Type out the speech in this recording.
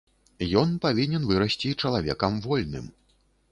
Ён павінен вырасці чалавекам вольным.